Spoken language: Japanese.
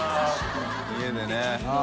家でね。